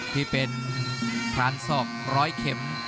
ที่เป็นพรานศอกร้อยเข็ม